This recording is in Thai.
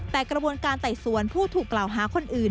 แต่กระบวนการไต่สวนผู้ถูกกล่าวหาคนอื่น